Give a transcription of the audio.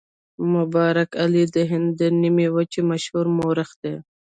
مبارک علي د هند د نیمې وچې مشهور مورخ دی.